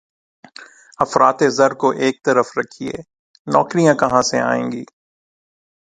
افراط زر کو ایک طرف رکھیے، نوکریاں کہاں سے آئیں گی؟